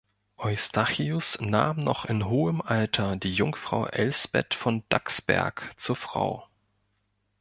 Eustachius nahm noch in hohem Alter die Jungfrau Elsbeth von Dachsberg zur Frau.